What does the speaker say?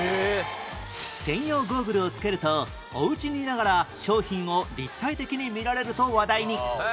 専用ゴーグルをつけるとおうちにいながら商品を立体的に見られると話題に